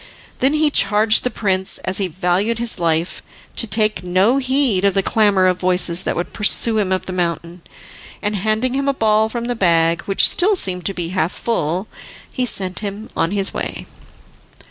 Then he charged the prince, as he valued his life, to take no heed of the clamour of voices that would pursue him up the mountain, and handing him a ball from the bag, which still seemed to be half full, he sent him on his way.